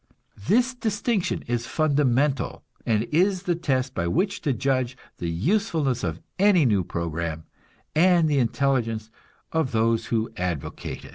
This distinction is fundamental, and is the test by which to judge the usefulness of any new program, and the intelligence of those who advocate it.